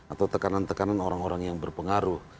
atau tekanan tekanan orang orang yang berpengaruh